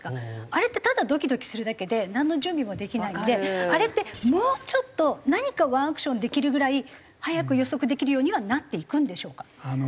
あれってただドキドキするだけでなんの準備もできないのであれってもうちょっと何かワンアクションできるぐらい早く予測できるようにはなっていくんでしょうか？